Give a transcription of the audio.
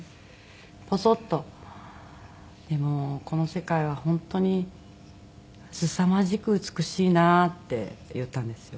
ボソッと「でもこの世界は本当にすさまじく美しいなあ」って言ったんですよ。